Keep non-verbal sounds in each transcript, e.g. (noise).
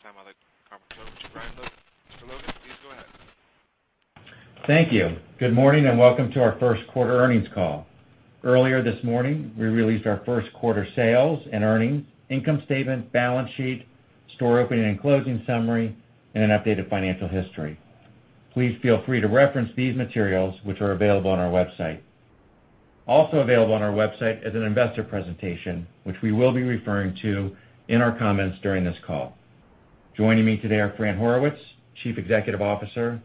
At this time, I'd like to welcome Mr. Brian Logan. Mr. Logan, please go ahead. Thank you. Good morning, welcome to our first quarter earnings call. Earlier this morning, we released our first quarter sales and earnings, income statement, balance sheet, store opening and closing summary, and an updated financial history. Please feel free to reference these materials which are available on our website. Also available on our website is an investor presentation, which we will be referring to in our comments during this call. Joining me today are Fran Horowitz, Chief Executive Officer,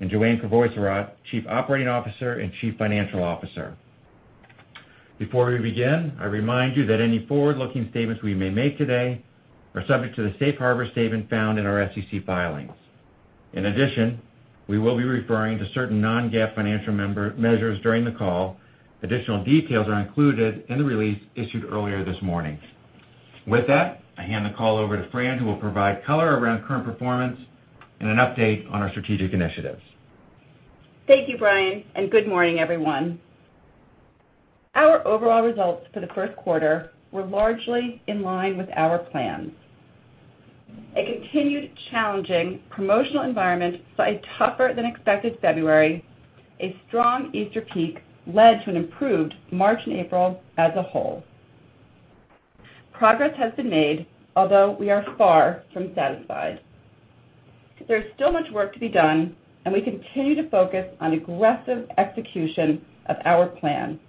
and Joanne Crevoiserat, Chief Operating Officer and Chief Financial Officer. Before we begin, I remind you that any forward-looking statements we may make today are subject to the safe harbor statement found in our SEC filings. In addition, we will be referring to certain non-GAAP financial measures during the call. Additional details are included in the release issued earlier this morning. With that, I hand the call over to Fran, who will provide color around current performance and an update on our strategic initiatives. Thank you, Brian, good morning, everyone. Our overall results for the first quarter were largely in line with our plans. A continued challenging promotional environment saw a tougher than expected February. A strong Easter peak led to an improved March and April as a whole. Progress has been made, although we are far from satisfied. There's still much work to be done, and we continue to focus on aggressive execution of our plan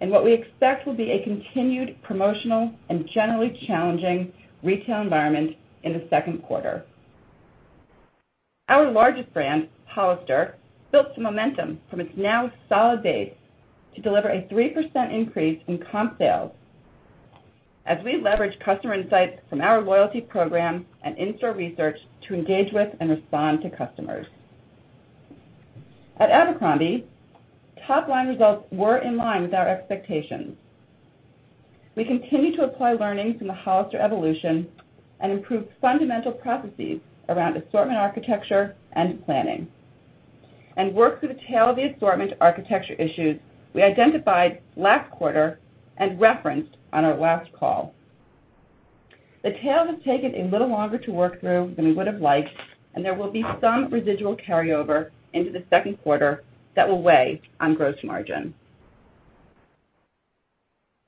in what we expect will be a continued promotional and generally challenging retail environment in the second quarter. Our largest brand, Hollister, built some momentum from its now solid base to deliver a 3% increase in comp sales as we leverage customer insights from our loyalty program and in-store research to engage with and respond to customers. At Abercrombie, top-line results were in line with our expectations. We continue to apply learnings from the Hollister evolution and improve fundamental processes around assortment architecture and planning, and work through the tail of the assortment architecture issues we identified last quarter and referenced on our last call. The tail has taken a little longer to work through than we would've liked, and there will be some residual carryover into the second quarter that will weigh on gross margin.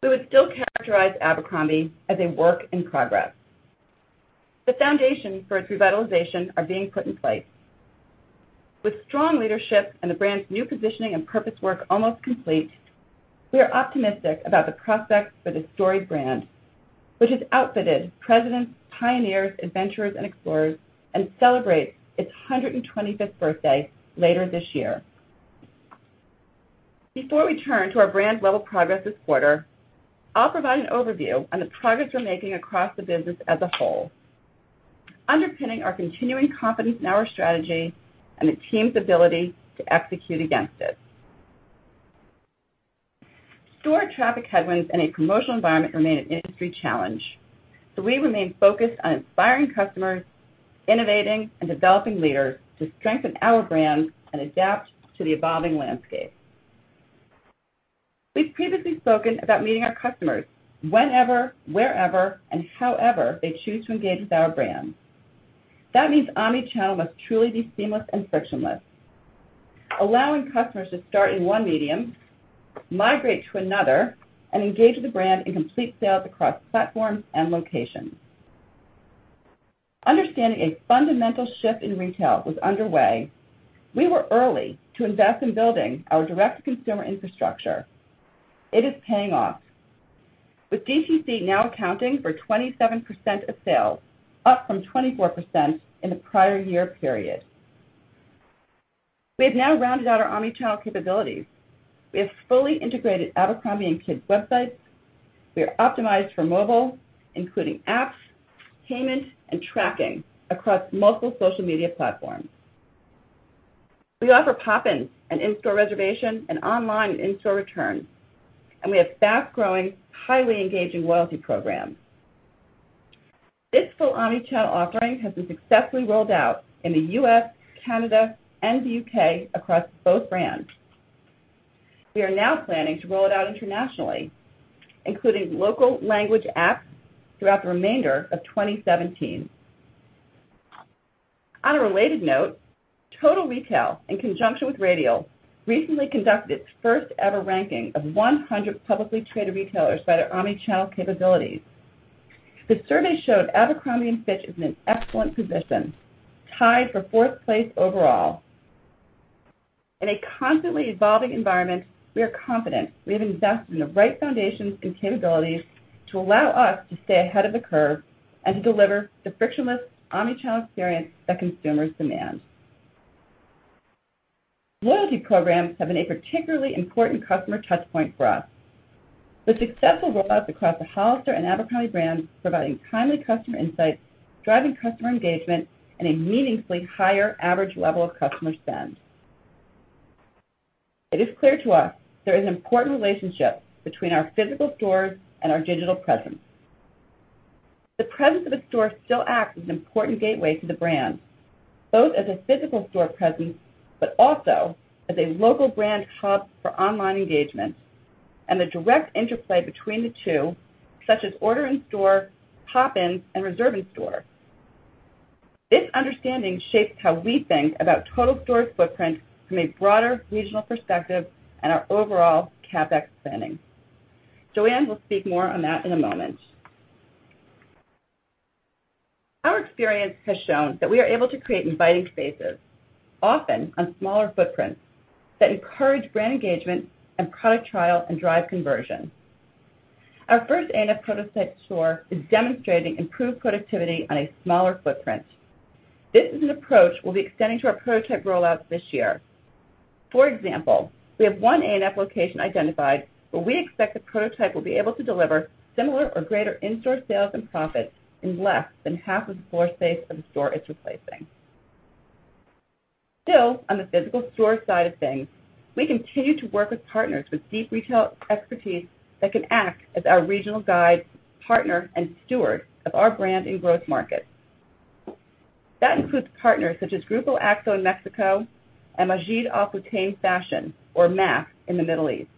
We would still characterize Abercrombie as a work in progress. The foundation for its revitalization are being put in place. With strong leadership and the brand's new positioning and purpose work almost complete, we are optimistic about the prospects for this storied brand, which has outfitted presidents, pioneers, adventurers, and explorers, and celebrates its 125th birthday later this year. Before we turn to our brand-level progress this quarter, I'll provide an overview on the progress we're making across the business as a whole, underpinning our continuing confidence in our strategy and the team's ability to execute against it. Store traffic headwinds and a promotional environment remain an industry challenge, so we remain focused on inspiring customers, innovating, and developing leaders to strengthen our brands and adapt to the evolving landscape. We've previously spoken about meeting our customers whenever, wherever, and however they choose to engage with our brands. That means omnichannel must truly be seamless and frictionless, allowing customers to start in one medium, migrate to another, and engage with the brand in complete sales across platforms and locations. Understanding a fundamental shift in retail was underway, we were early to invest in building our direct-to-consumer infrastructure. It is paying off, with DTC now accounting for 27% of sales, up from 24% in the prior year period. We have now rounded out our omnichannel capabilities. We have fully integrated Abercrombie and Kids websites. We are optimized for mobile, including apps, payment, and tracking across multiple social media platforms. We offer pop-ins and in-store reservation and online and in-store returns, and we have fast-growing, highly engaging loyalty programs. This full omnichannel offering has been successfully rolled out in the U.S., Canada, and the U.K. across both brands. We are now planning to roll it out internationally, including local language apps throughout the remainder of 2017. On a related note, Total Retail, in conjunction with Radial, recently conducted its first-ever ranking of 100 publicly traded retailers by their omnichannel capabilities. The survey showed Abercrombie & Fitch is in an excellent position, tied for fourth place overall. In a constantly evolving environment, we are confident we have invested in the right foundations and capabilities to allow us to stay ahead of the curve and to deliver the frictionless omnichannel experience that consumers demand. Loyalty programs have been a particularly important customer touchpoint for us, with successful rollouts across the Hollister and Abercrombie brands providing timely customer insights, driving customer engagement, and a meaningfully higher average level of customer spend. It is clear to us there is an important relationship between our physical stores and our digital presence. The presence of a store still acts as an important gateway to the brand both as a physical store presence, but also as a local brand hub for online engagement, and the direct interplay between the two, such as order in store, pop-ins, and reserve in store. This understanding shapes how we think about total store footprint from a broader regional perspective and our overall CapEx spending. Joanne will speak more on that in a moment. Our experience has shown that we are able to create inviting spaces, often on smaller footprints, that encourage brand engagement and product trial and drive conversion. Our first ANF prototype store is demonstrating improved productivity on a smaller footprint. This is an approach we'll be extending to our prototype rollouts this year. For example, we have one ANF location identified where we expect the prototype will be able to deliver similar or greater in-store sales and profits in less than half of the floor space of the store it's replacing. Still, on the physical store side of things, we continue to work with partners with deep retail expertise that can act as our regional guide, partner, and steward of our brand in growth markets. That includes partners such as Grupo Axo in Mexico and Majid Al Futtaim Fashion, or MAF, in the Middle East.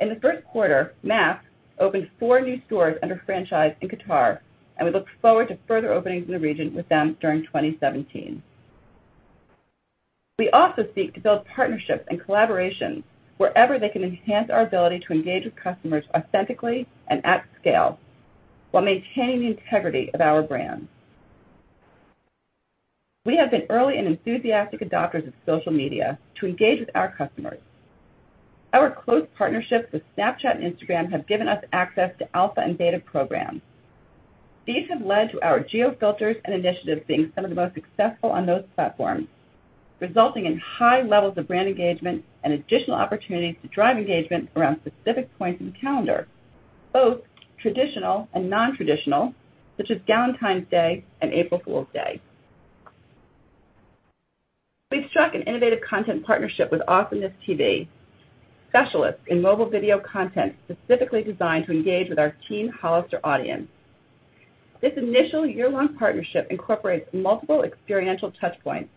In the first quarter, MAF opened four new stores under franchise in Qatar, and we look forward to further openings in the region with them during 2017. We also seek to build partnerships and collaborations wherever they can enhance our ability to engage with customers authentically and at scale, while maintaining the integrity of our brand. We have been early and enthusiastic adopters of social media to engage with our customers. Our close partnerships with Snapchat and Instagram have given us access to alpha and beta programs. These have led to our geo filters and initiatives being some of the most successful on those platforms, resulting in high levels of brand engagement and additional opportunities to drive engagement around specific points in the calendar, both traditional and non-traditional, such as Galentine's Day and April Fool's Day. We've struck an innovative content partnership with AwesomenessTV, specialists in mobile video content specifically designed to engage with our teen Hollister audience. This initial year-long partnership incorporates multiple experiential touch points,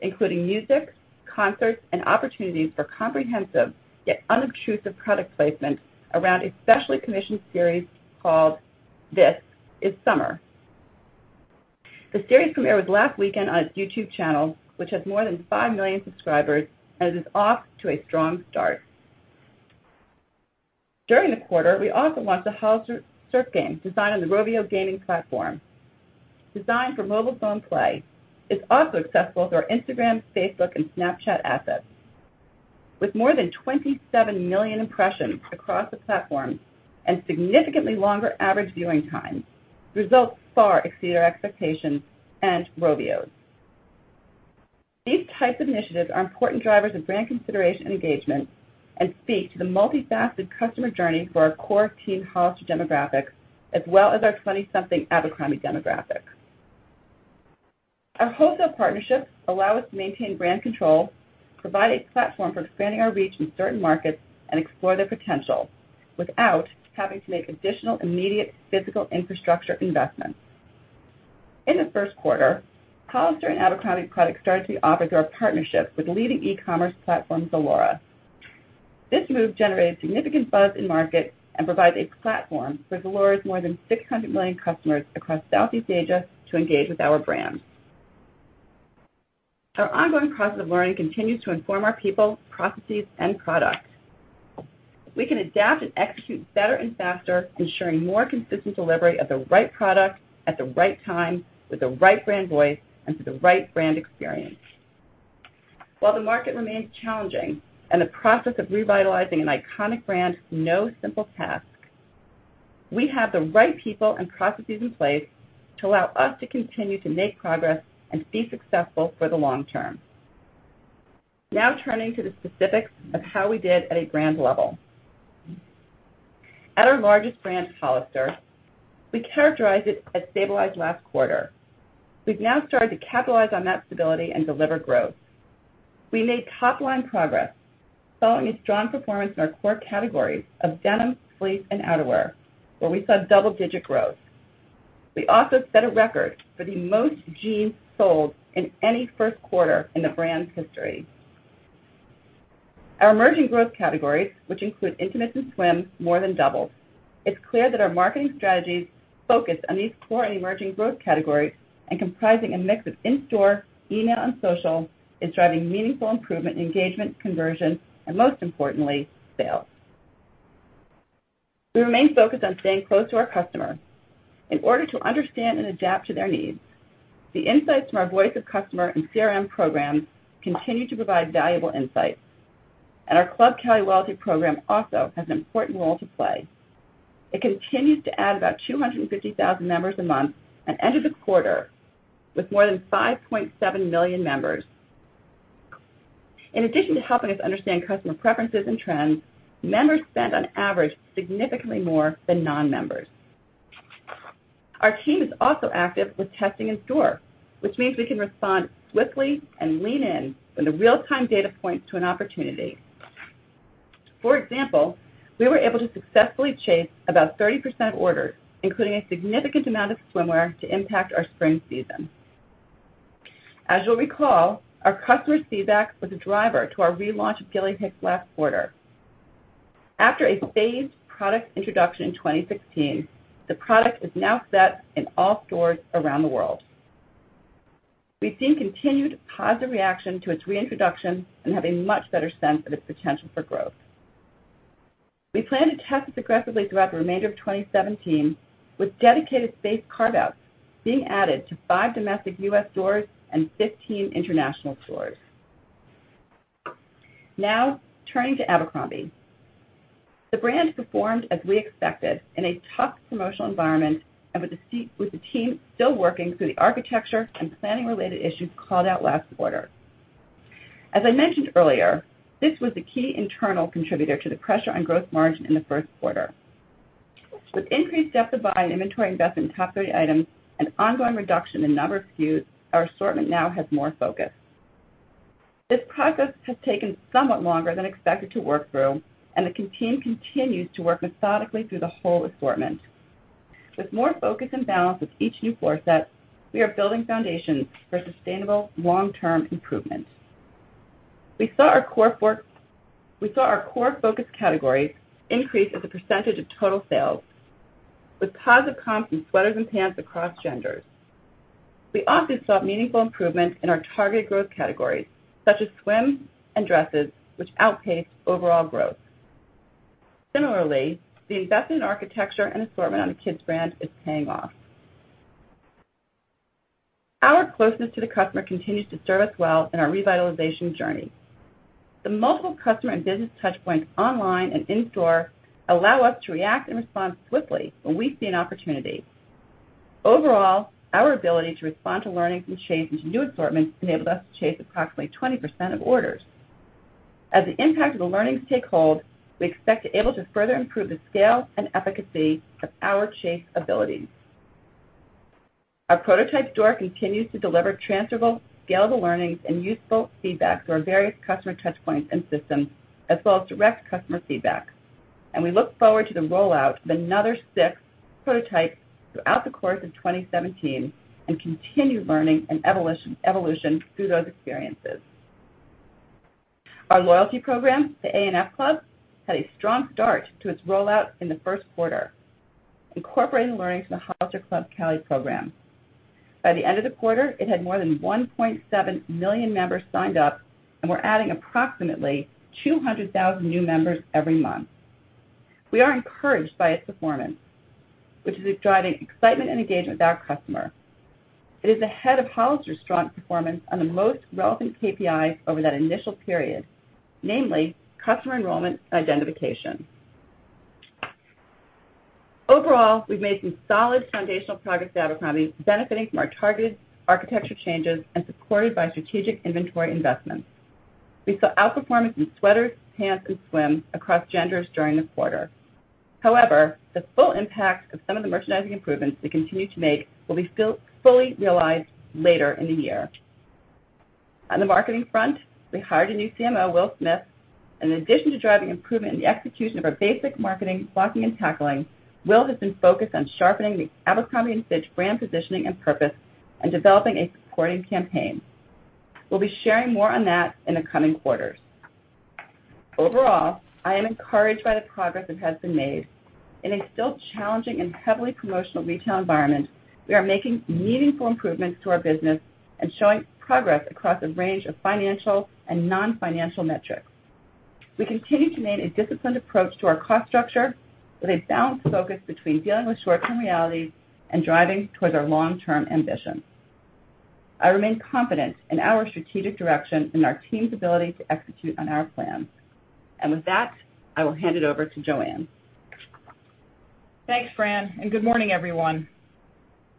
including music, concerts, and opportunities for comprehensive, yet unobtrusive product placement around a specially commissioned series called This Is Summer. The series premiered last weekend on its YouTube channel, which has more than five million subscribers and is off to a strong start. During the quarter, we also launched the Hollister Surf Game, designed on the Rovio gaming platform. Designed for mobile phone play, it's also accessible through our Instagram, Facebook, and Snapchat assets. With more than 27 million impressions across the platforms and significantly longer average viewing times, results far exceed our expectations and Rovio's. These types of initiatives are important drivers of brand consideration and engagement and speak to the multifaceted customer journey for our core teen Hollister demographics, as well as our 20-something Abercrombie demographic. Our wholesale partnerships allow us to maintain brand control, provide a platform for expanding our reach in certain markets, and explore their potential, without having to make additional immediate physical infrastructure investments. In the first quarter, Hollister and Abercrombie products started to be offered through our partnership with leading e-commerce platform Zalora. This move generated significant buzz in market and provides a platform for Zalora's more than 600 million customers across Southeast Asia to engage with our brand. Our ongoing process of learning continues to inform our people, processes, and products. We can adapt and execute better and faster, ensuring more consistent delivery of the right product at the right time with the right brand voice and to the right brand experience. While the market remains challenging and the process of revitalizing an iconic brand is no simple task, we have the right people and processes in place to allow us to continue to make progress and be successful for the long term. Now turning to the specifics of how we did at a brand level. At our largest brand, Hollister, we characterized it as stabilized last quarter. We've now started to capitalize on that stability and deliver growth. We made top-line progress, following a strong performance in our core categories of denim, fleece, and outerwear, where we saw double-digit growth. We also set a record for the most jeans sold in any first quarter in the brand's history. Our emerging growth categories, which include intimates and swim, more than doubled. It's clear that our marketing strategies focused on these core and emerging growth categories and comprising a mix of in-store, email, and social is driving meaningful improvement in engagement, conversion, and most importantly, sales. We remain focused on staying close to our customer in order to understand and adapt to their needs. The insights from our Voice of the Customer and CRM programs continue to provide valuable insights, and our Club Cali loyalty program also has an important role to play. It continues to add about 250,000 members a month and ended the quarter with more than 5.7 million members. In addition to helping us understand customer preferences and trends, members spent on average significantly more than non-members. Our team is also active with testing in store, which means we can respond swiftly and lean in when the real-time data points to an opportunity. For example, we were able to successfully chase about 30% of orders, including a significant amount of swimwear to impact our spring season. As you'll recall, our customer feedback was a driver to our relaunch of Gilly Hicks last quarter. After a phased product introduction in 2016, the product is now set in all stores around the world. We've seen continued positive reaction to its reintroduction and have a much better sense of its potential for growth. We plan to test this aggressively throughout the remainder of 2017, with dedicated space carve-outs being added to five domestic U.S. stores and 15 international stores. Now, turning to Abercrombie. The brand performed as we expected in a tough promotional environment and with the team still working through the architecture and planning-related issues called out last quarter. As I mentioned earlier, this was the key internal contributor to the pressure on growth margin in the first quarter. With increased depth of buy and inventory investment in top three items and ongoing reduction in number of SKUs, our assortment now has more focus. This progress has taken somewhat longer than expected to work through, and the team continues to work methodically through the whole assortment. With more focus and balance with each new core set, we are building foundations for sustainable long-term improvements. We saw our core focus categories increase as a percentage of total sales, with positive comps in sweaters and pants across genders. We also saw meaningful improvements in our target growth categories, such as swim and dresses, which outpaced overall growth. Similarly, the investment in architecture and assortment on the kids brand is paying off. Our closeness to the customer continues to serve us well in our revitalization journey. The multiple customer and business touchpoints online and in-store allow us to react and respond quickly when we see an opportunity. Overall, our ability to respond to learnings and chase into new assortments enabled us to chase approximately 20% of orders. As the impact of the learnings take hold, we expect to be able to further improve the scale and efficacy of our chase ability. Our prototype store continues to deliver transferable, scalable learnings and useful feedback through our various customer touchpoints and systems, as well as direct customer feedback. We look forward to the rollout of another six prototypes throughout the course of 2017 and continued learning and evolution through those experiences. Our loyalty program, the A&F Club, had a strong start to its rollout in the first quarter, incorporating learnings from the Hollister Club Cali program. By the end of the quarter, it had more than 1.7 million members signed up and we're adding approximately 200,000 new members every month. We are encouraged by its performance, which is driving excitement and engagement with our customer. It is ahead of Hollister's strong performance on the most relevant KPI over that initial period, namely customer enrollment and identification. Overall, we've made some solid foundational progress at Abercrombie, benefiting from our targeted architecture changes and supported by strategic inventory investments. We saw outperformance in sweaters, pants, and swim across genders during the quarter. The full impact of some of the merchandising improvements we continue to make will be fully realized later in the year. On the marketing front, we hired a new CMO, Will Smith. In addition to driving improvement in the execution of our basic marketing, blocking and tackling, Will has been focused on sharpening the Abercrombie & Fitch brand positioning and purpose and developing a supporting campaign. We'll be sharing more on that in the coming quarters. Overall, I am encouraged by the progress that has been made. In a still challenging and heavily promotional retail environment, we are making meaningful improvements to our business and showing progress across a range of financial and non-financial metrics. We continue to maintain a disciplined approach to our cost structure with a balanced focus between dealing with short-term realities and driving towards our long-term ambition. I remain confident in our strategic direction and our team's ability to execute on our plan. With that, I will hand it over to Joanne. Thanks, Fran, and good morning, everyone.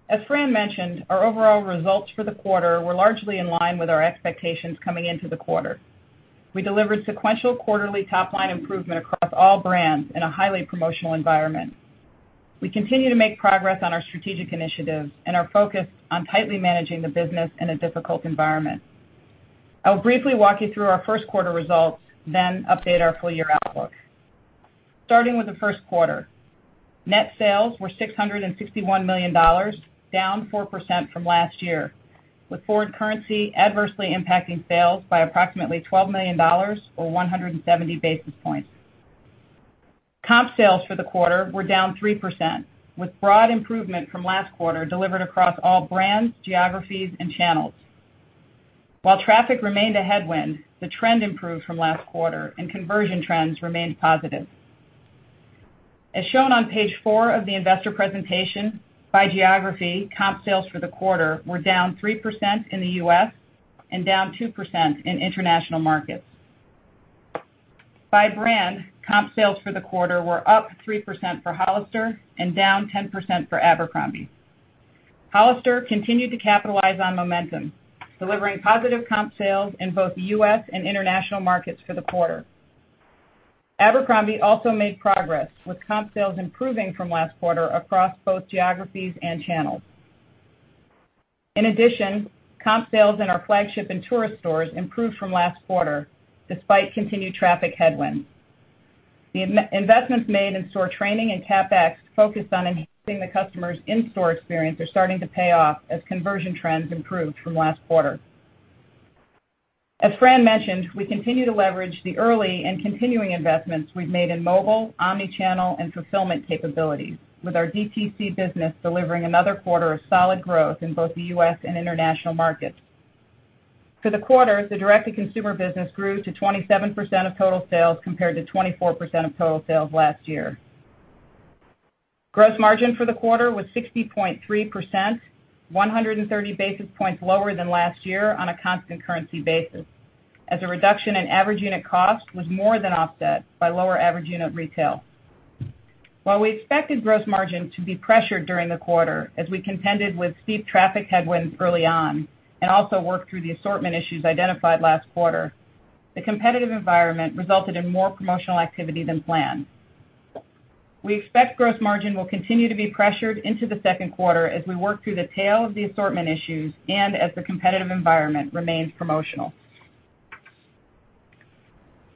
As Fran mentioned, our overall results for the quarter were largely in line with our expectations coming into the quarter. We delivered sequential quarterly top-line improvement across all brands in a highly promotional environment. We continue to make progress on our strategic initiatives and are focused on tightly managing the business in a difficult environment. I will briefly walk you through our first quarter results, then update our full-year outlook. Starting with the first quarter, net sales were $661 million, down 4% from last year, with foreign currency adversely impacting sales by approximately $12 million or 170 basis points. Comp sales for the quarter were down 3%, with broad improvement from last quarter delivered across all brands, geographies, and channels. While traffic remained a headwind, the trend improved from last quarter and conversion trends remained positive. As shown on page four of the investor presentation, by geography, comp sales for the quarter were down 3% in the U.S. and down 2% in international markets. By brand, comp sales for the quarter were up 3% for Hollister and down 10% for Abercrombie. Hollister continued to capitalize on momentum, delivering positive comp sales in both U.S. and international markets for the quarter. Abercrombie also made progress, with comp sales improving from last quarter across both geographies and channels. In addition, comp sales in our flagship and tourist stores improved from last quarter despite continued traffic headwinds. The investments made in store training and CapEx focused on enhancing the customers' in-store experience are starting to pay off as conversion trends improved from last quarter. As Fran mentioned, we continue to leverage the early and continuing investments we've made in mobile, omni-channel, and fulfillment capabilities, with our DTC business delivering another quarter of solid growth in both the U.S. and international markets. For the quarter, the direct-to-consumer business grew to 27% of total sales, compared to 24% of total sales last year. Gross margin for the quarter was 60.3%, 130 basis points lower than last year on a constant currency basis, as a reduction in average unit cost was more than offset by lower average unit retail. While we expected gross margin to be pressured during the quarter as we contended with steep traffic headwinds early on and also worked through the assortment issues identified last quarter, the competitive environment resulted in more promotional activity than planned. We expect gross margin will continue to be pressured into the second quarter as we work through the tail of the assortment issues and as the competitive environment remains promotional.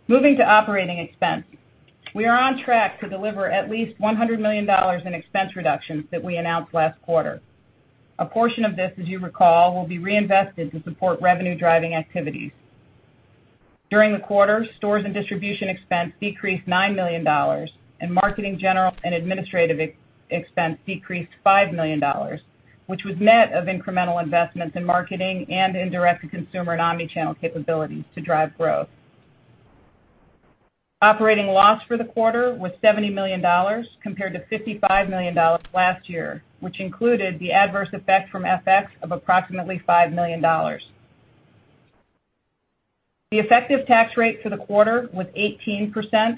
Moving to operating expense. We are on track to deliver at least $100 million in expense reductions that we announced last quarter. A portion of this, as you recall, will be reinvested to support revenue-driving activities. During the quarter, stores and distribution expense decreased $9 million, and marketing, general, and administrative expense decreased $5 million, which was net of incremental investments in marketing and in direct-to-consumer and omni-channel capabilities to drive growth. Operating loss for the quarter was $70 million, compared to $55 million last year, which included the adverse effect from FX of approximately $5 million. The effective tax rate for the quarter was 18%,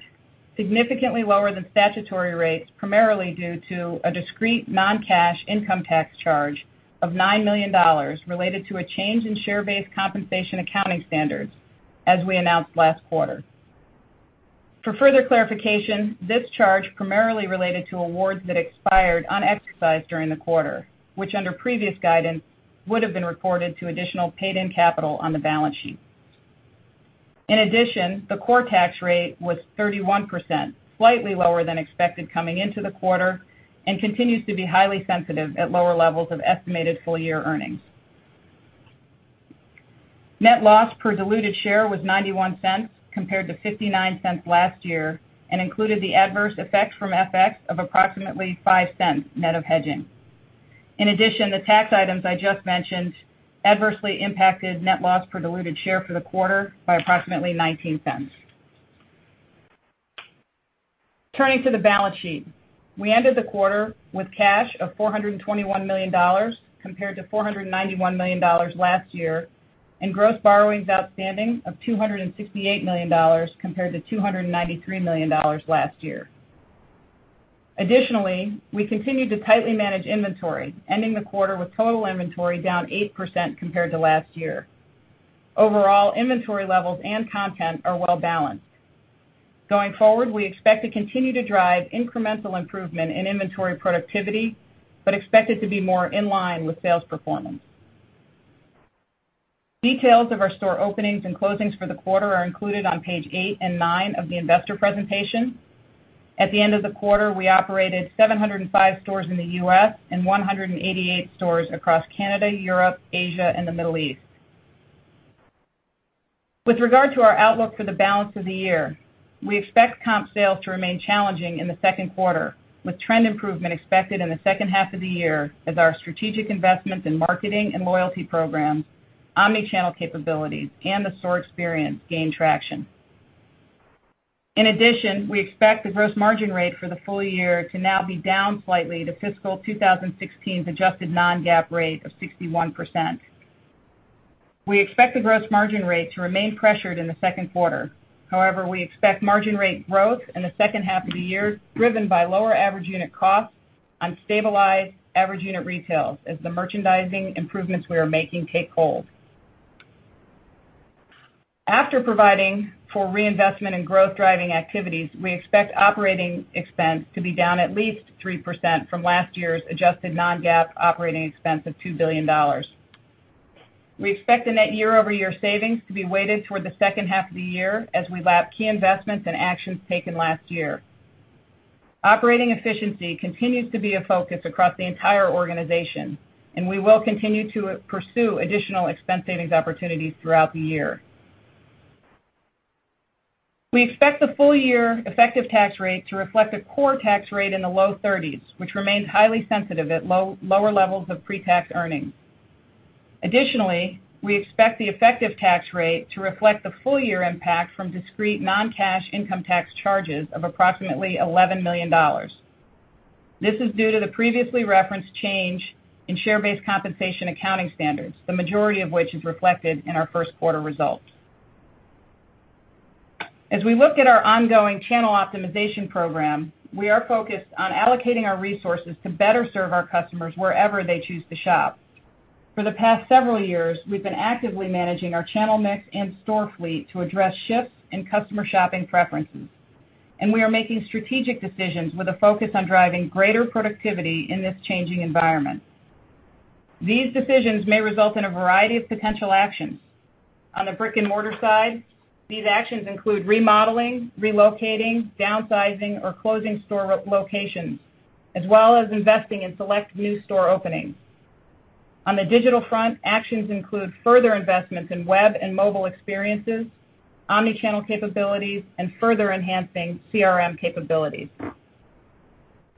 significantly lower than statutory rates, primarily due to a discrete non-cash income tax charge of $9 million related to a change in share-based compensation accounting standards, as we announced last quarter. For further clarification, this charge primarily related to awards that expired unexercised during the quarter, which under previous guidance would have been reported to additional paid-in capital on the balance sheet. The core tax rate was 31%, slightly lower than expected coming into the quarter, and continues to be highly sensitive at lower levels of estimated full-year earnings. Net loss per diluted share was $0.91 compared to $0.59 last year and included the adverse effects from FX of approximately $0.05, net of hedging. The tax items I just mentioned adversely impacted net loss per diluted share for the quarter by approximately $0.19. Turning to the balance sheet. We ended the quarter with cash of $421 million, compared to $491 million last year, and gross borrowings outstanding of $268 million, compared to $293 million last year. We continue to tightly manage inventory, ending the quarter with total inventory down 8% compared to last year. Inventory levels and content are well-balanced. We expect to continue to drive incremental improvement in inventory productivity, but expect it to be more in line with sales performance. Details of our store openings and closings for the quarter are included on page eight and nine of the investor presentation. We operated 705 stores in the U.S. and 188 stores across Canada, Europe, Asia, and the Middle East. With regard to our outlook for the balance of the year, we expect comp sales to remain challenging in the second quarter, with trend improvement expected in the second half of the year as our strategic investments in marketing and loyalty programs, omni-channel capabilities, and the store experience gain traction. We expect the gross margin rate for the full year to now be down slightly to fiscal 2016's adjusted non-GAAP rate of 61%. We expect the gross margin rate to remain pressured in the second quarter. We expect margin rate growth in the second half of the year driven by lower average unit costs on stabilized average unit retails as the merchandising improvements we are making take hold. After providing for reinvestment in growth-driving activities, we expect operating expense to be down at least 3% from last year's adjusted non-GAAP operating expense of $2 billion. We expect the net year-over-year savings to be weighted toward the second half of the year as we lap key investments and actions taken last year. Operating efficiency continues to be a focus across the entire organization, and we will continue to pursue additional expense savings opportunities throughout the year. We expect the full-year effective tax rate to reflect a core tax rate in the low 30s, which remains highly sensitive at lower levels of pre-tax earnings. We expect the effective tax rate to reflect the full-year impact from discrete non-cash income tax charges of approximately $11 million. This is due to the previously referenced change in share-based compensation accounting standards, the majority of which is reflected in our first quarter results. As we look at our ongoing channel optimization program, we are focused on allocating our resources to better serve our customers wherever they choose to shop. For the past several years, we've been actively managing our channel mix and store fleet to address shifts in customer shopping preferences. We are making strategic decisions with a focus on driving greater productivity in this changing environment. These decisions may result in a variety of potential actions. On the brick-and-mortar side, these actions include remodeling, relocating, downsizing, or closing store locations, as well as investing in select new store openings. On the digital front, actions include further investments in web and mobile experiences, omni-channel capabilities, and further enhancing CRM capabilities.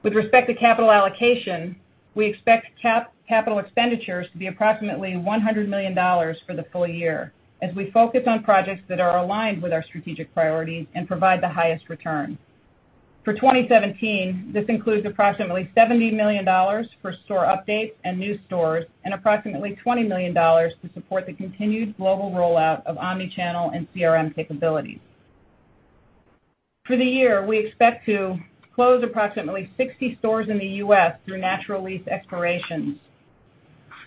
With respect to capital allocation, we expect capital expenditures to be approximately $100 million for the full year, as we focus on projects that are aligned with our strategic priorities and provide the highest return. For 2017, this includes approximately $70 million for store updates and new stores and approximately $20 million to support the continued global rollout of omni-channel and CRM capabilities. For the year, we expect to close approximately 60 stores in the U.S. through natural lease expirations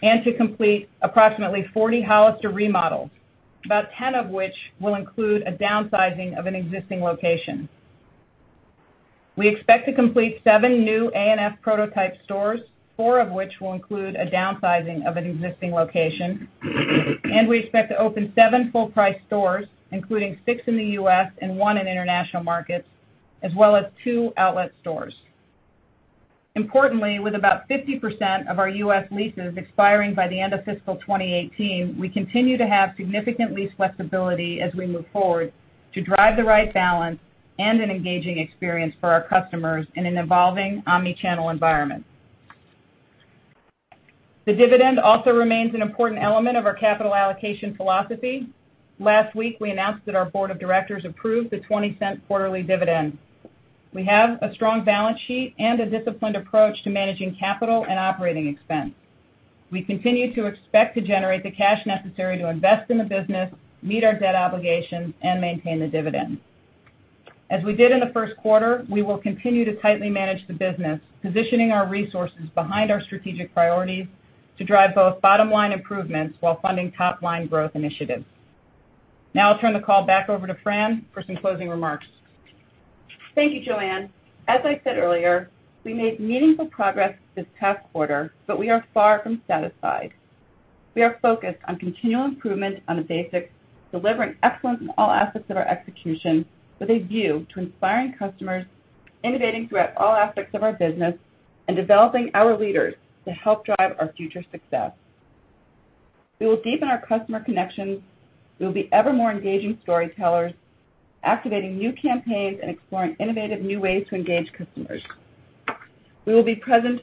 and to complete approximately 40 Hollister remodels, about 10 of which will include a downsizing of an existing location. We expect to complete seven new A&F prototype stores, four of which will include a downsizing of an existing location. We expect to open seven full-price stores, including six in the U.S. and one in international markets, as well as two outlet stores. Importantly, with about 50% of our U.S. leases expiring by the end of fiscal 2018, we continue to have significant lease flexibility as we move forward to drive the right balance and an engaging experience for our customers in an evolving omni-channel environment. The dividend also remains an important element of our capital allocation philosophy. Last week, we announced that our board of directors approved the $0.20 quarterly dividend. We have a strong balance sheet and a disciplined approach to managing capital and operating expense. We continue to expect to generate the cash necessary to invest in the business, meet our debt obligations, and maintain the dividend. As we did in the first quarter, we will continue to tightly manage the business, positioning our resources behind our strategic priorities to drive both bottom-line improvements while funding top-line growth initiatives. Now I'll turn the call back over to Fran for some closing remarks. Thank you, Joanne. As I said earlier, we made meaningful progress this past quarter, but we are far from satisfied. We are focused on continual improvement on the basics, delivering excellence in all aspects of our execution with a view to inspiring customers, innovating throughout all aspects of our business, and developing our leaders to help drive our future success. We will deepen our customer connections. We will be ever more engaging storytellers, activating new campaigns and exploring innovative new ways to engage customers. We will be present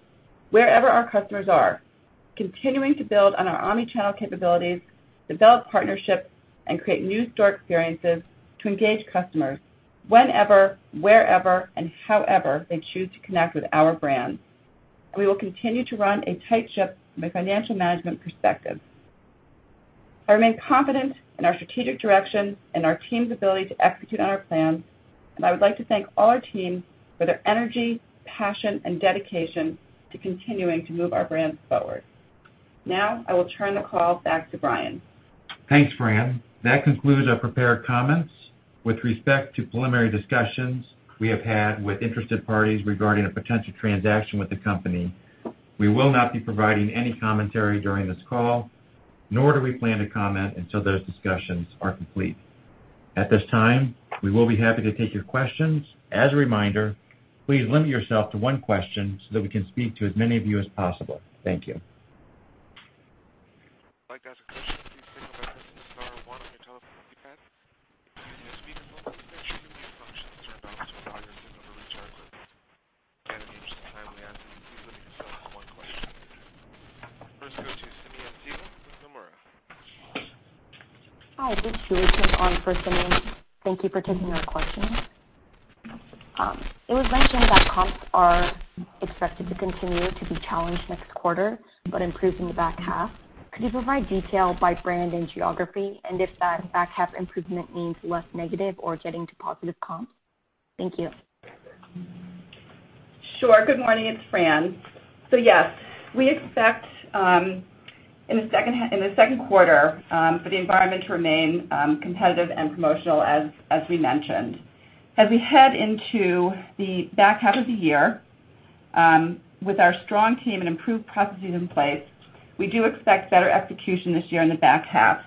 wherever our customers are, continuing to build on our omni-channel capabilities, develop partnerships, and create new store experiences to engage customers whenever, wherever, and however they choose to connect with our brands. We will continue to run a tight ship from a financial management perspective. I remain confident in our strategic direction and our team's ability to execute on our plans. I would like to thank all our teams for their energy, passion, and dedication to continuing to move our brands forward. Now, I will turn the call back to Brian. Thanks, Fran. That concludes our prepared comments. With respect to preliminary discussions we have had with interested parties regarding a potential transaction with the company, we will not be providing any commentary during this call, nor do we plan to comment until those discussions are complete. At this time, we will be happy to take your questions. As a reminder, please limit yourself to one question so that we can speak to as many of you as possible. Thank you. If you'd like to ask a question, please press star one on your telephone keypad. To unmute your speakerphone, make sure the mute function is turned off so other participants will hear you. To guarantee a timely answer, please limit yourself to one question. First, go to Simeon Siegel with Nomura. Hi. This is Samiya on for Simeon. Thank you for taking our question. It was mentioned that comps are expected to continue to be challenged next quarter, but improve in the back half. Could you provide detail by brand and geography, and if that back half improvement means less negative or getting to positive comps? Thank you. Sure. Good morning. It's Fran. Yes, we expect in the second quarter for the environment to remain competitive and promotional, as we mentioned. As we head into the back half of the year, with our strong team and improved processes in place, we do expect better execution this year in the back half.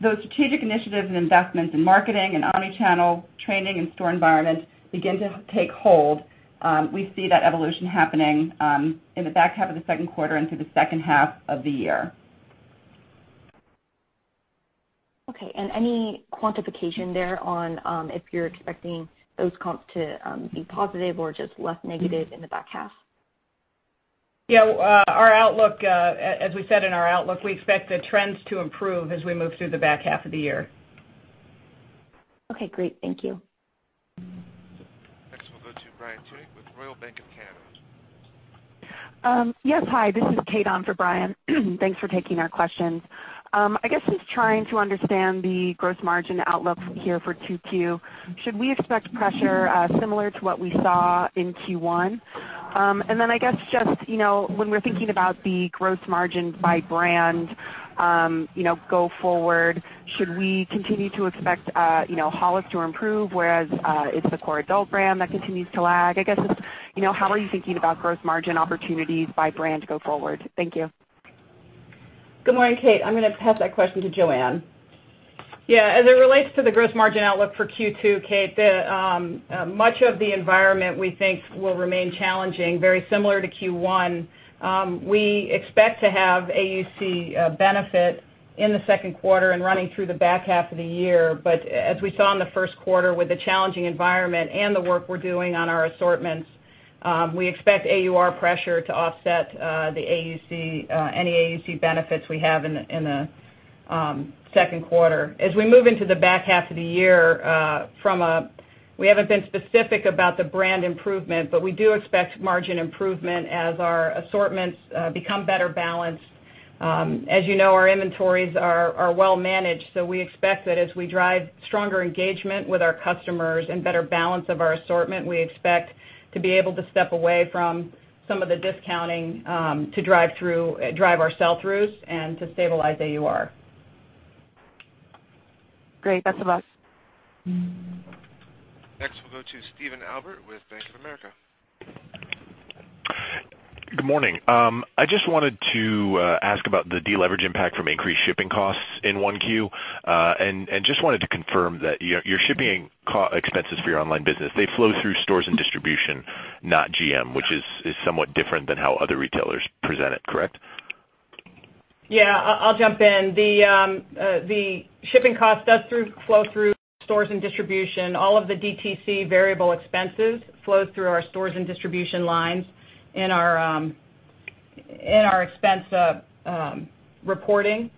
Those strategic initiatives and investments in marketing and omni-channel training and store environment begin to take hold. We see that evolution happening in the back half of the second quarter and through the second half of the year. Okay. Any quantification there on if you're expecting those comps to be positive or just less negative in the back half? Yeah. As we said in our outlook, we expect the trends to improve as we move through the back half of the year. Okay, great. Thank you. Next we'll go to Brian Tunick with Royal Bank of Canada. Yes. Hi, this is Kate on for Brian. Thanks for taking our questions. I guess just trying to understand the gross margin outlook here for 2Q. Should we expect pressure similar to what we saw in Q1? I guess just, when we're thinking about the gross margin by brand go forward, should we continue to expect Hollister to improve, whereas it's the core adult brand that continues to lag? I guess it's, how are you thinking about gross margin opportunities by brand go forward? Thank you. Good morning, Kate. I'm going to pass that question to Joanne. Yeah. As it relates to the gross margin outlook for Q2, Kate, much of the environment we think will remain challenging, very similar to Q1. We expect to have AUC benefit in the second quarter and running through the back half of the year. As we saw in the first quarter with the challenging environment and the work we're doing on our assortments, we expect AUR pressure to offset any AUC benefits we have in the second quarter. As we move into the back half of the year, we haven't been specific about the brand improvement, we do expect margin improvement as our assortments become better balanced. As you know, our inventories are well managed, we expect that as we drive stronger engagement with our customers and better balance of our assortment, we expect to be able to step away from some of the discounting, to drive our sell-throughs and to stabilize AUR. Great. That's all. Next, we'll go to Lorraine Hutchinson with Bank of America. Good morning. I just wanted to ask about the deleverage impact from increased shipping costs in 1Q. Just wanted to confirm that your shipping expenses for your online business, they flow through stores and distribution, not GM, which is somewhat different than how other retailers present it, correct? Yeah. I'll jump in. The shipping cost does flow through stores and distribution. All of the DTC variable expenses flow through our stores and distribution lines in our expense reporting.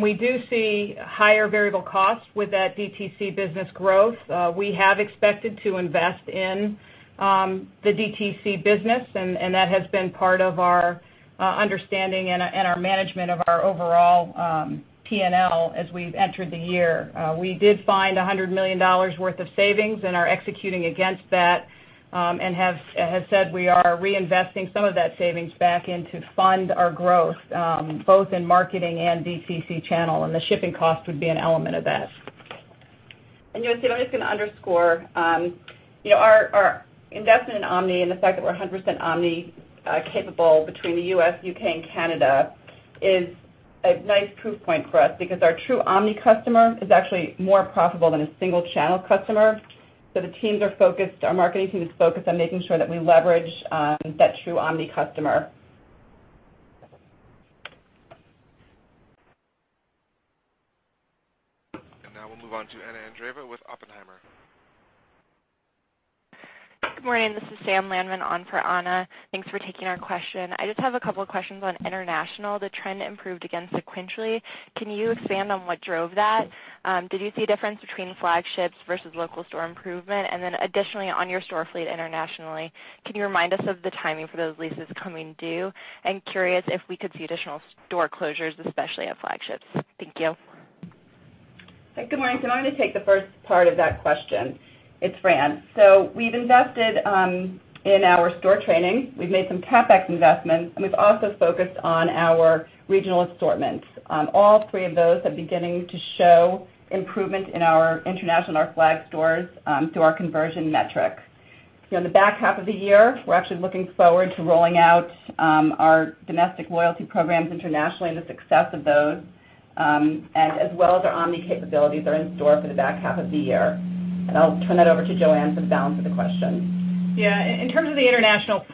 We do see higher variable costs with that DTC business growth. We have expected to invest in the DTC business, and that has been part of our understanding and our management of our overall P&L as we've entered the year. We did find $100 million worth of savings and are executing against that, and as said, we are reinvesting some of that savings back in to fund our growth, both in marketing and DTC channel, and the shipping cost would be an element of that. (inaudible) I'm just going to underscore. Our investment in omni and the fact that we're 100% omni capable between the U.S., U.K., and Canada is a nice proof point for us because our true omni customer is actually more profitable than a single channel customer. The teams are focused, our marketing team is focused on making sure that we leverage that true omni customer. Now we'll move on to Anna Andreeva with Oppenheimer. Good morning. This is Sam Lanman on for Anna. Thanks for taking our question. I just have a couple of questions on international. The trend improved again sequentially. Can you expand on what drove that? Did you see a difference between flagships versus local store improvement? Additionally, on your store fleet internationally, can you remind us of the timing for those leases coming due? I'm curious if we could see additional store closures, especially at flagships. Thank you. Good morning. I'm going to take the first part of that question. It's Fran. We've invested in our store training. We've made some CapEx investments, and we've also focused on our regional assortments. All three of those are beginning to show improvement in our international and our flag stores, through our conversion metrics. In the back half of the year, we're actually looking forward to rolling out our domestic loyalty programs internationally and the success of those, as well as our omni capabilities that are in store for the back half of the year. I'll turn that over to Joanne for the balance of the question. Yeah. In terms of the international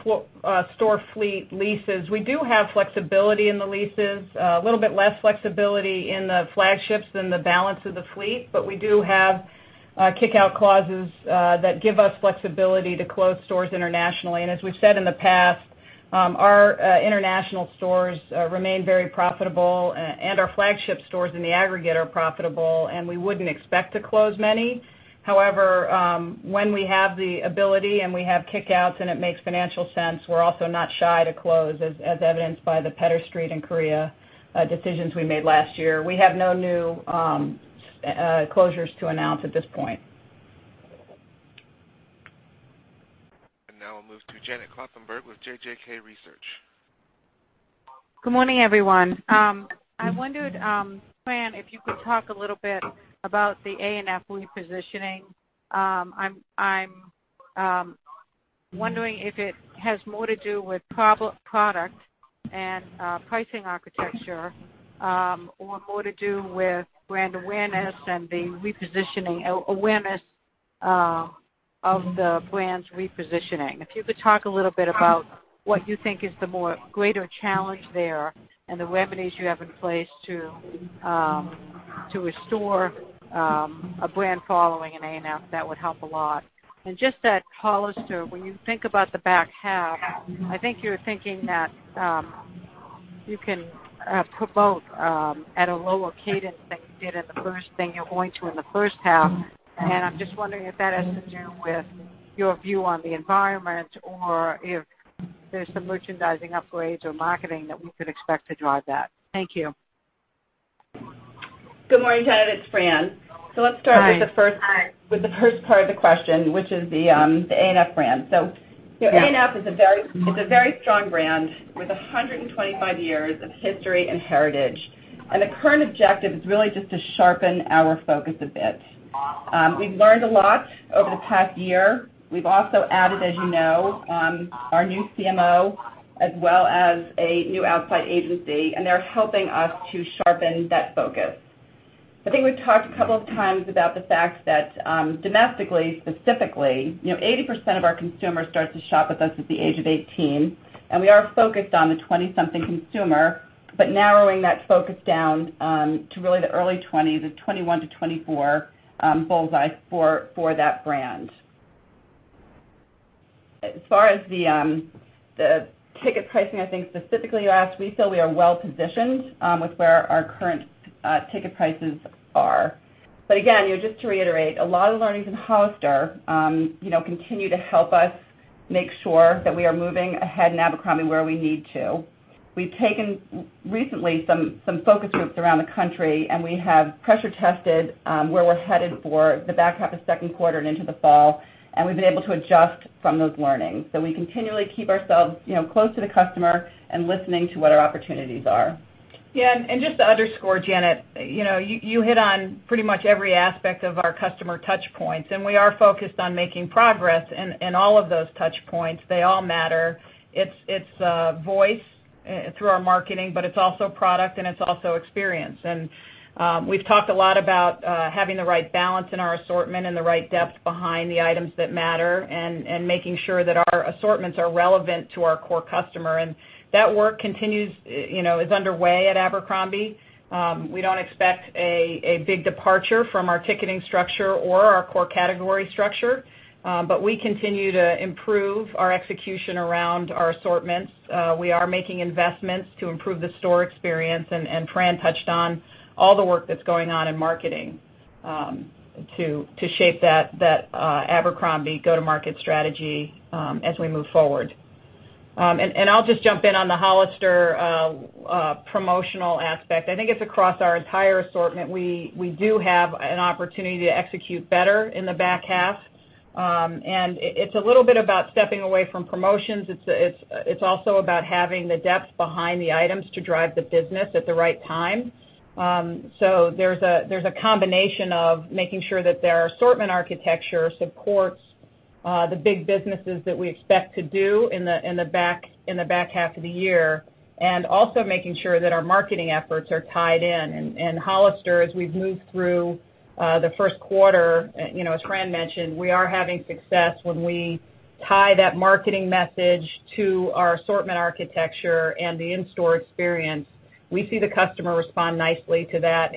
store fleet leases, we do have flexibility in the leases. A little bit less flexibility in the flagships than the balance of the fleet. We do have kick-out clauses that give us flexibility to close stores internationally. As we've said in the past, our international stores remain very profitable, and our flagship stores in the aggregate are profitable, and we wouldn't expect to close many. However, when we have the ability and we have kick-outs and it makes financial sense, we're also not shy to close, as evidenced by the Pedder Street in Korea decisions we made last year. We have no new closures to announce at this point. Now we'll move to Janet Kloppenburg with JJK Research. Good morning, everyone. I wondered, Fran, if you could talk a little bit about the A&F repositioning. I'm wondering if it has more to do with product and pricing architecture, or more to do with brand awareness and awareness of the brand's repositioning. If you could talk a little bit about what you think is the more greater challenge there and the remedies you have in place to restore a brand following in A&F, that would help a lot. Just at Hollister, when you think about the back half, I think you're thinking that you can promote at a lower cadence than you're going to in the first half. I'm just wondering if that has to do with your view on the environment or if there's some merchandising upgrades or marketing that we could expect to drive that. Thank you. Good morning, Janet. It's Fran. Hi. Let's start with the first part of the question, which is the A&F brand. A&F is a very strong brand with 125 years of history and heritage, and the current objective is really just to sharpen our focus a bit. We've learned a lot over the past year. We've also added, as you know, our new CMO as well as a new outside agency, and they're helping us to sharpen that focus. I think we've talked a couple of times about the fact that domestically, specifically, 80% of our consumers start to shop with us at the age of 18. We are focused on the 20-something consumer, but narrowing that focus down to really the early 20s, the 21 to 24 bullseye for that brand. As far as the ticket pricing, I think specifically you asked, we feel we are well positioned with where our current ticket prices are. Again, just to reiterate, a lot of the learnings in Hollister continue to help us make sure that we are moving ahead in Abercrombie where we need to. We've taken recently some focus groups around the country, and we have pressure tested where we're headed for the back half of second quarter and into the fall, and we've been able to adjust from those learnings. We continually keep ourselves close to the customer and listening to what our opportunities are. Janet, you hit on pretty much every aspect of our customer touchpoints. We are focused on making progress in all of those touchpoints. They all matter. It's voice through our marketing, but it's also product, and it's also experience. We've talked a lot about having the right balance in our assortment and the right depth behind the items that matter and making sure that our assortments are relevant to our core customer. That work continues, is underway at Abercrombie. We don't expect a big departure from our ticketing structure or our core category structure, but we continue to improve our execution around our assortments. We are making investments to improve the store experience. Fran touched on all the work that's going on in marketing to shape that Abercrombie go-to-market strategy as we move forward. I'll just jump in on the Hollister promotional aspect. I think it's across our entire assortment. We do have an opportunity to execute better in the back half. It's a little bit about stepping away from promotions. It's also about having the depth behind the items to drive the business at the right time. There's a combination of making sure that their assortment architecture supports the big businesses that we expect to do in the back half of the year, and also making sure that our marketing efforts are tied in. Hollister, as we've moved through the first quarter, as Fran mentioned, we are having success when we tie that marketing message to our assortment architecture and the in-store experience. We see the customer respond nicely to that.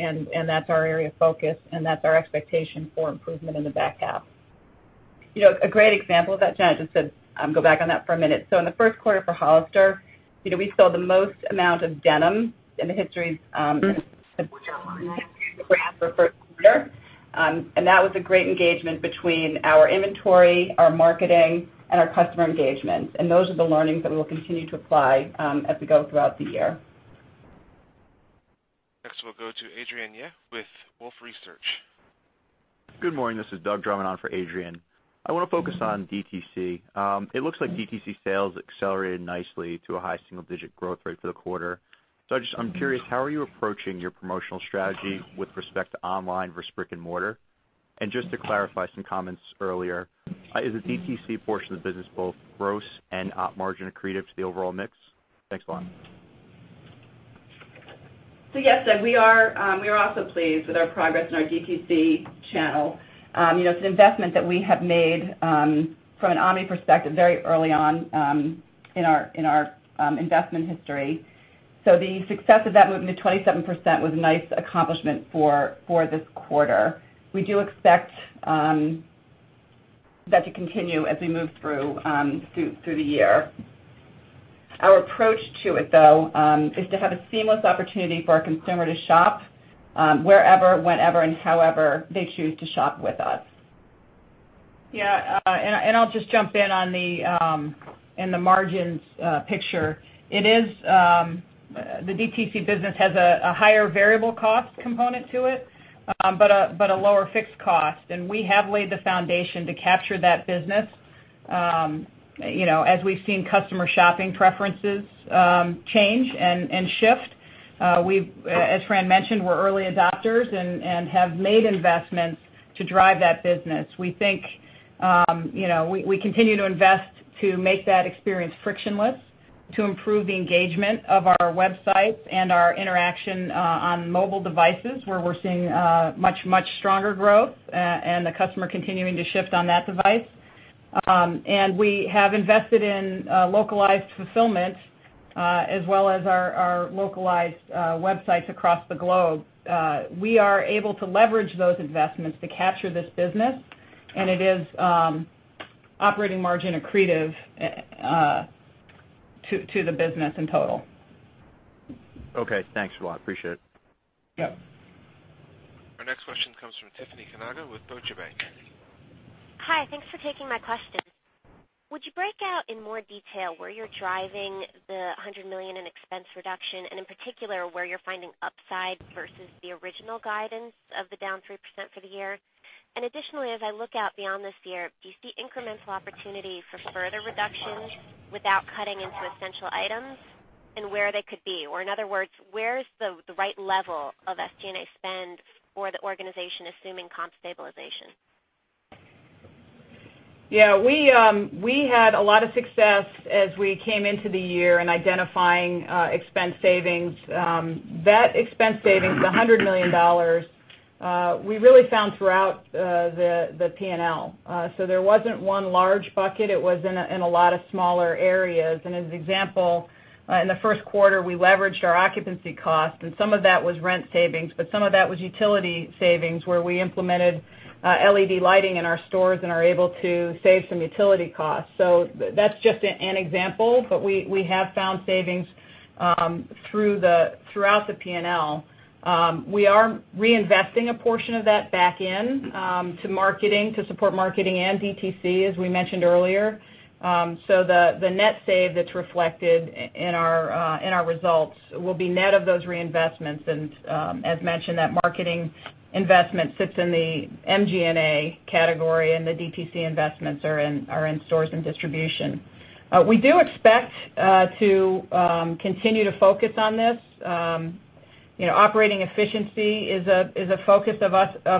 That's our area of focus, and that's our expectation for improvement in the back half. A great example of that, Janet, just to go back on that for a minute. In the first quarter for Hollister, we sold the most amount of denim in the history of brand for first quarter. That was a great engagement between our inventory, our marketing, and our customer engagements. Those are the learnings that we'll continue to apply as we go throughout the year. Next, we'll go to Adrienne Yih with Wolfe Research. Good morning. This is Doug Drummond on for Adrienne. I want to focus on DTC. It looks like DTC sales accelerated nicely to a high single-digit growth rate for the quarter. I'm curious, how are you approaching your promotional strategy with respect to online versus brick and mortar? And just to clarify some comments earlier, is the DTC portion of the business both gross and Op margin accretive to the overall mix? Thanks a lot. Yes, Doug, we are also pleased with our progress in our DTC channel. It's an investment that we have made from an omni perspective very early on in our investment history. The success of that moving to 27% was a nice accomplishment for this quarter. We do expect that to continue as we move through the year. Our approach to it, though, is to have a seamless opportunity for our consumer to shop wherever, whenever, and however they choose to shop with us. I'll just jump in on the margins picture. The DTC business has a higher variable cost component to it but a lower fixed cost, and we have laid the foundation to capture that business as we've seen customer shopping preferences change and shift. As Fran mentioned, we're early adopters and have made investments to drive that business. We continue to invest to make that experience frictionless, to improve the engagement of our websites and our interaction on mobile devices, where we're seeing much, much stronger growth and the customer continuing to shift on that device. And we have invested in localized fulfillment as well as our localized websites across the globe. We are able to leverage those investments to capture this business, and it is operating margin accretive to the business in total. Okay. Thanks a lot. Appreciate it. Yep. Our next question comes from Tiffany Kanaga with Deutsche Bank. Hi. Thanks for taking my question. Would you break out in more detail where you're driving the $100 million in expense reduction, and in particular, where you're finding upside versus the original guidance of the down 3% for the year? Additionally, as I look out beyond this year, do you see incremental opportunity for further reductions without cutting into essential items, and where they could be? In other words, where is the right level of SG&A spend for the organization, assuming comp stabilization? We had a lot of success as we came into the year in identifying expense savings. That expense savings, the $100 million, we really found throughout the P&L. There wasn't one large bucket. It was in a lot of smaller areas. As an example, in the first quarter, we leveraged our occupancy cost, and some of that was rent savings, but some of that was utility savings where we implemented LED lighting in our stores and are able to save some utility costs. That's just an example, but we have found savings throughout the P&L. We are reinvesting a portion of that back in to support marketing and DTC, as we mentioned earlier. The net save that's reflected in our results will be net of those reinvestments. As mentioned, that marketing investment sits in the MGA category and the DTC investments are in stores and distribution. We do expect to continue to focus on this. Operating efficiency is a focus of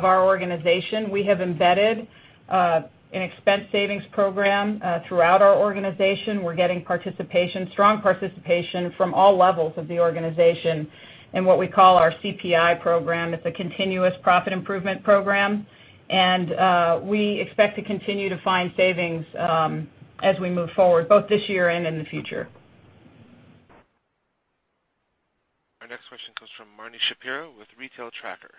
our organization. We have embedded an expense savings program throughout our organization. We're getting strong participation from all levels of the organization in what we call our CPI program. It's a continuous profit improvement program. We expect to continue to find savings as we move forward, both this year and in the future. Our next question comes from Marni Shapiro with Retail Tracker.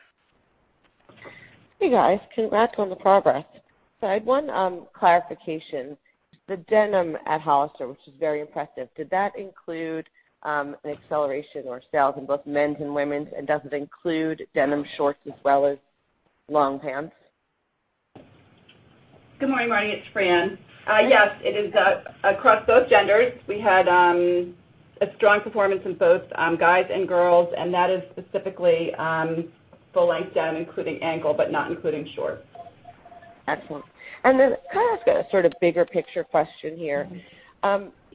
Hey, guys. Congrats on the progress. I had one clarification. The denim at Hollister, which is very impressive, did that include an acceleration or sales in both men's and women's, and does it include denim shorts as well as long pants? Good morning, Marni. It's Fran. Yes, it is across both genders. We had a strong performance in both guys and girls, and that is specifically full-length denim, including ankle, but not including shorts. Excellent. Can I ask a sort of bigger picture question here?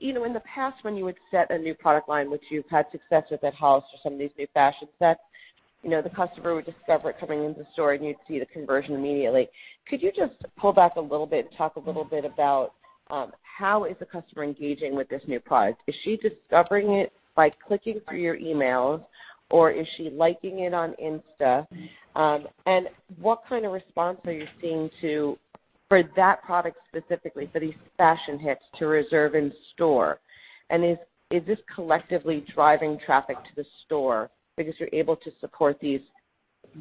In the past when you would set a new product line, which you've had success with at Hollister, some of these new fashion sets, the customer would discover it coming into the store, and you'd see the conversion immediately. Could you just pull back a little bit and talk a little bit about how is the customer engaging with this new product? Is she discovering it by clicking through your emails, or is she liking it on Insta? What kind of response are you seeing for that product specifically, for these fashion hits to reserve in store? Is this collectively driving traffic to the store because you're able to support these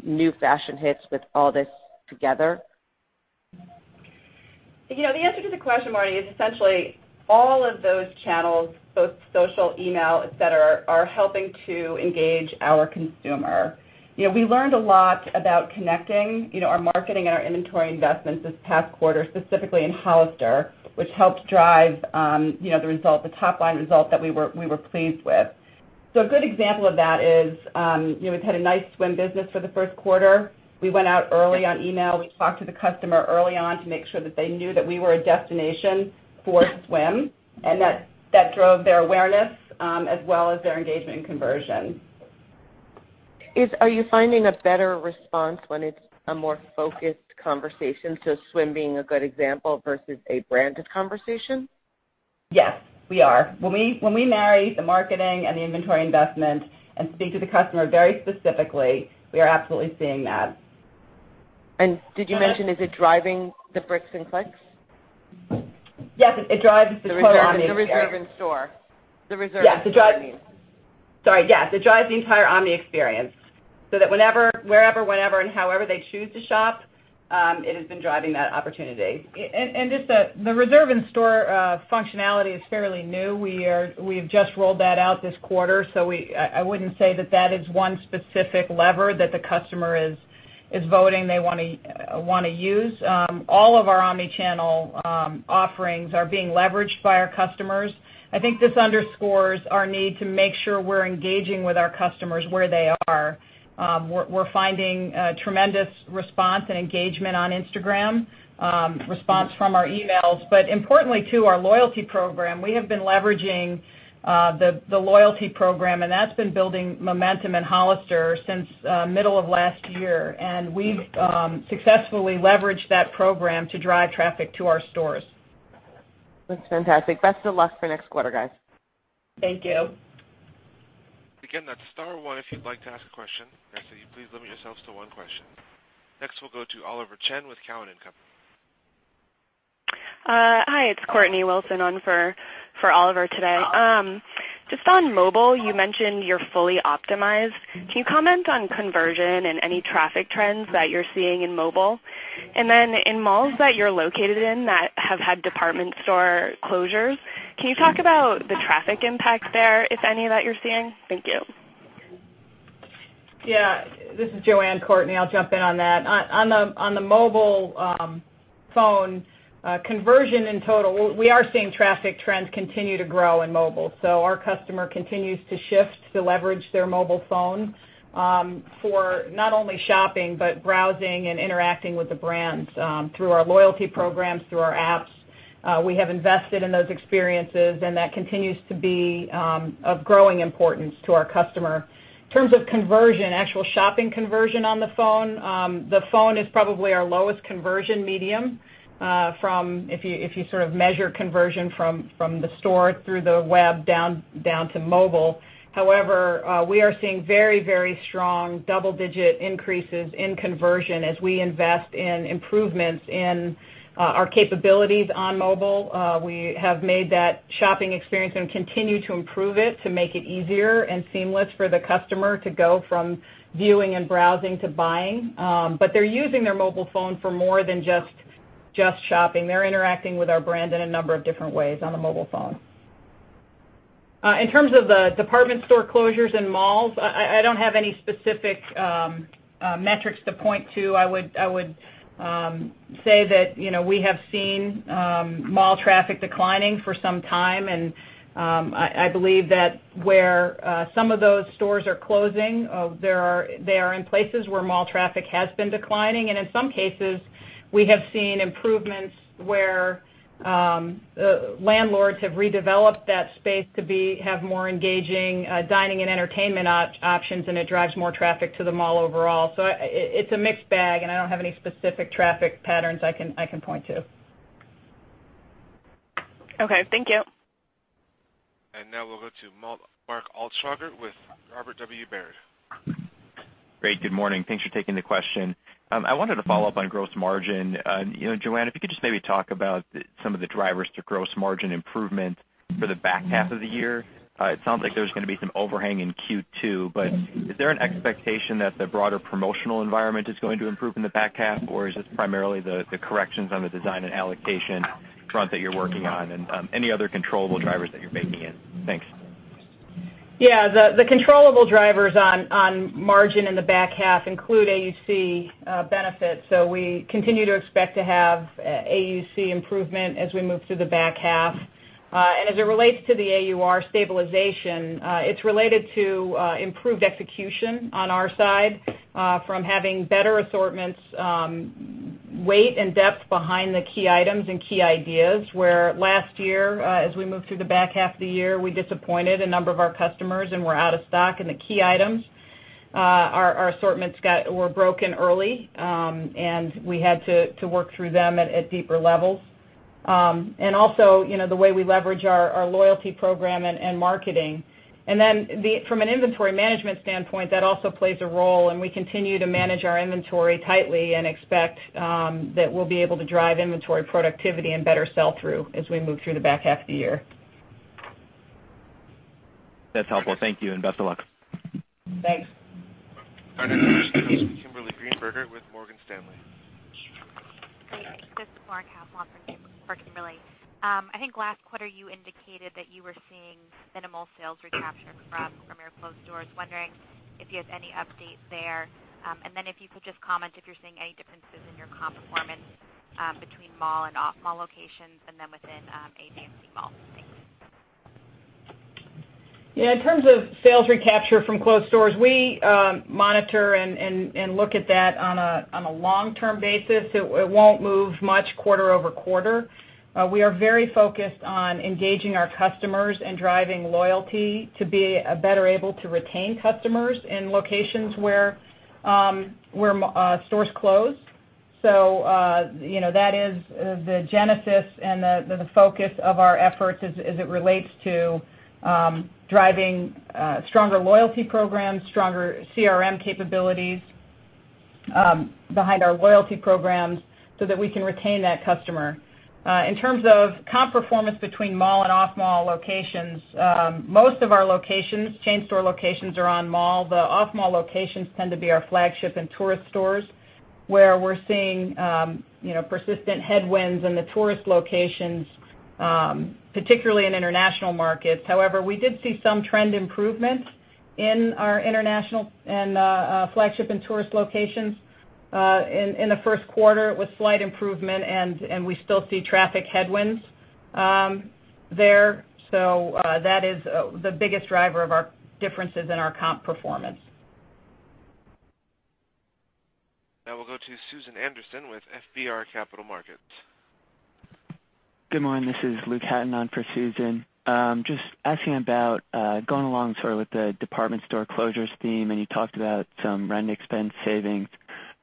new fashion hits with all this together? The answer to the question, Marni, is essentially all of those channels, both social, email, et cetera, are helping to engage our consumer. We learned a lot about connecting our marketing and our inventory investments this past quarter, specifically in Hollister, which helped drive the top-line result that we were pleased with. A good example of that is, we've had a nice swim business for the first quarter. We went out early on email. We talked to the customer early on to make sure that they knew that we were a destination for swim, that drove their awareness, as well as their engagement and conversion. Are you finding a better response when it's a more focused conversation, so swim being a good example versus a branded conversation? Yes, we are. When we marry the marketing and the inventory investment and speak to the customer very specifically, we are absolutely seeing that. Did you mention, is it driving the bricks and clicks? Yes, it drives the total omni experience. The reserve in-store. The reserve is what she means. Sorry. Yes. It drives the entire omni experience, so that wherever, whenever, and however they choose to shop, it has been driving that opportunity. Just the reserve in-store functionality is fairly new. We've just rolled that out this quarter, so I wouldn't say that that is one specific lever that the customer is voting they want to use. All of our omni-channel offerings are being leveraged by our customers. I think this underscores our need to make sure we're engaging with our customers where they are. We're finding tremendous response and engagement on Instagram, response from our emails. Importantly, too, our loyalty program. We have been leveraging the loyalty program, and that's been building momentum in Hollister since middle of last year. We've successfully leveraged that program to drive traffic to our stores. That's fantastic. Best of luck for next quarter, guys. Thank you. Again, that's star one if you'd like to ask a question. I ask that you please limit yourselves to one question. Next, we'll go to Oliver Chen with Cowen and Company. Hi, it's Courtney Wilson on for Oliver today. Hi. Just on mobile, you mentioned you're fully optimized. Can you comment on conversion and any traffic trends that you're seeing in mobile? In malls that you're located in that have had department store closures, can you talk about the traffic impact there, if any, that you're seeing? Thank you. Yeah. This is Joanne, Courtney. I'll jump in on that. On the mobile phone conversion in total, we are seeing traffic trends continue to grow in mobile. Our customer continues to shift to leverage their mobile phone, for not only shopping but browsing and interacting with the brands, through our loyalty programs, through our apps. We have invested in those experiences, and that continues to be of growing importance to our customer. In terms of conversion, actual shopping conversion on the phone, the phone is probably our lowest conversion medium, if you measure conversion from the store through the web, down to mobile. However, we are seeing very strong double-digit increases in conversion as we invest in improvements in our capabilities on mobile. We have made that shopping experience and continue to improve it to make it easier and seamless for the customer to go from viewing and browsing to buying. They're using their mobile phone for more than just shopping. They're interacting with our brand in a number of different ways on a mobile phone. In terms of the department store closures and malls, I don't have any specific metrics to point to. I would say that we have seen mall traffic declining for some time, and I believe that where some of those stores are closing, they are in places where mall traffic has been declining. In some cases, we have seen improvements where landlords have redeveloped that space to have more engaging dining and entertainment options, and it drives more traffic to the mall overall. It's a mixed bag, and I don't have any specific traffic patterns I can point to. Okay, thank you. Now we'll go to Mark Altschwager with Robert W. Baird. Great. Good morning. Thanks for taking the question. I wanted to follow up on gross margin. Joanne, if you could just maybe talk about some of the drivers to gross margin improvement for the back half of the year. It sounds like there's going to be some overhang in Q2, but is there an expectation that the broader promotional environment is going to improve in the back half, or is this primarily the corrections on the design and allocation front that you're working on, and any other controllable drivers that you're baking in? Thanks. The controllable drivers on margin in the back half include AUC benefits. We continue to expect to have AUC improvement as we move through the back half. As it relates to the AUR stabilization, it's related to improved execution on our side, from having better assortments, weight and depth behind the key items and key ideas. Where last year, as we moved through the back half of the year, we disappointed a number of our customers and were out of stock in the key items. Our assortments were broken early, and we had to work through them at deeper levels. Also, the way we leverage our loyalty program and marketing. From an inventory management standpoint, that also plays a role, and we continue to manage our inventory tightly and expect that we'll be able to drive inventory productivity and better sell-through as we move through the back half of the year. That's helpful. Thank you, and best of luck. Thanks. Our next question is with Kimberly Greenberger with Morgan Stanley. Great. This is [Lauren Caswell] for Kimberly. I think last quarter you indicated that you were seeing minimal sales recapture from your closed stores. Wondering if you have any updates there. If you could just comment if you're seeing any differences in your comp performance between mall and off-mall locations and then within A, B, and C malls. Thanks. Yeah. In terms of sales recapture from closed stores, we monitor and look at that on a long-term basis. It won't move much quarter-over-quarter. We are very focused on engaging our customers and driving loyalty to be better able to retain customers in locations where stores closed. That is the genesis and the focus of our efforts as it relates to driving stronger loyalty programs, stronger CRM capabilities behind our loyalty programs so that we can retain that customer. In terms of comp performance between mall and off-mall locations, most of our locations, chain store locations, are on mall. The off-mall locations tend to be our flagship and tourist stores, where we're seeing persistent headwinds in the tourist locations, particularly in international markets. However, we did see some trend improvements in our international and flagship and tourist locations. In the first quarter, it was a slight improvement, and we still see traffic headwinds there. That is the biggest driver of our differences in our comp performance. Now we'll go to Susan Anderson with FBR Capital Markets. Good morning. This is Luke Hatton on for Susan. Just asking about, going along sort of with the department store closures theme, and you talked about some rent expense savings.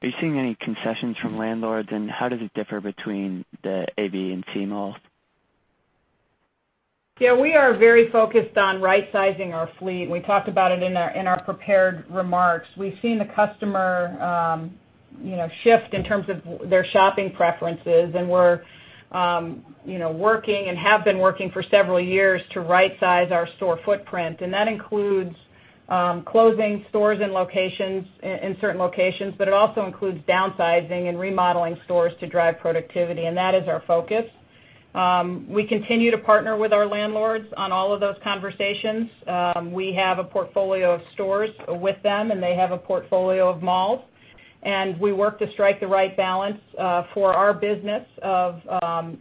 Are you seeing any concessions from landlords, and how does it differ between the A, B, and C malls? Yeah, we are very focused on right-sizing our fleet. We talked about it in our prepared remarks. We've seen the customer shift in terms of their shopping preferences, we're working and have been working for several years to right-size our store footprint. That includes closing stores in certain locations, but it also includes downsizing and remodeling stores to drive productivity, and that is our focus. We continue to partner with our landlords on all of those conversations. We have a portfolio of stores with them, and they have a portfolio of malls. We work to strike the right balance for our business of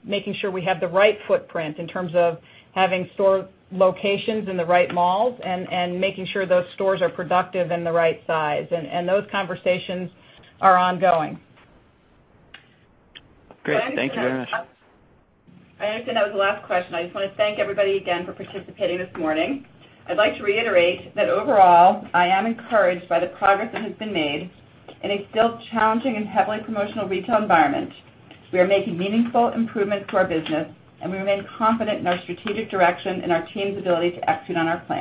making sure we have the right footprint in terms of having store locations in the right malls and making sure those stores are productive and the right size. Those conversations are ongoing. Great. Thank you very much. I understand that was the last question. I just want to thank everybody again for participating this morning. I'd like to reiterate that overall, I am encouraged by the progress that has been made in a still challenging and heavily promotional retail environment. We are making meaningful improvements to our business, we remain confident in our strategic direction and our team's ability to execute on our plans.